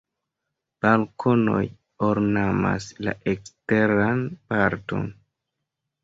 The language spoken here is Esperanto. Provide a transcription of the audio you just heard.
Balkonoj ornamas la eksteran parton.